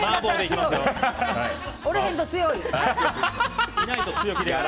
おらへんと強い！